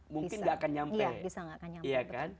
mungkin gak akan nyampe